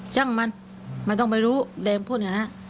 จังมันไม่ต้องไปรู้เดมพูดอย่างนี้นะ